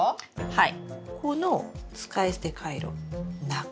はい。